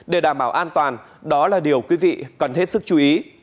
để đảm bảo an toàn đó là điều quý vị cần hết sức chú ý